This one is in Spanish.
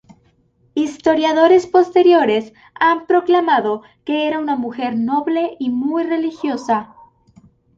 Historiadores posteriores han proclamado que era una mujer noble y muy religiosa.